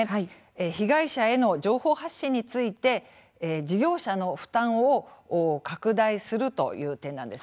被害者への情報発信について事業者の負担を拡大するという点なんです。